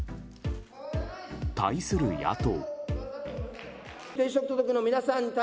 対する野党。